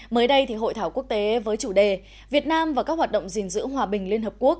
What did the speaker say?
mới đây thì hội thảo quốc tế với chủ đề việt nam và các hoạt động gìn giữ hòa bình liên hợp quốc